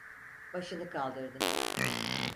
Başını kaldırdı.